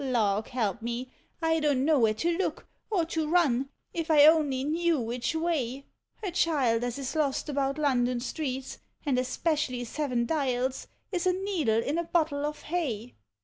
Lawk help me, I don't know where to look, or to run, if 1 only knew which way — A Child as is lost about London streets, and es pecially Seven Dials, is a needle in a bottle of hay.